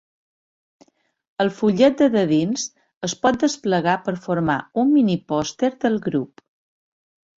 E fullet de dins es pot desplegar per formar un minipòster del grup.